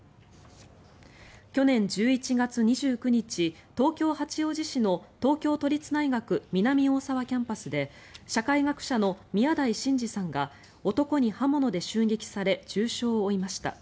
去年１１月２９日東京・八王子市の東京都立大学南大沢キャンパスで社会学者の宮台真司さんが男に刃物で襲撃され重傷を負いました。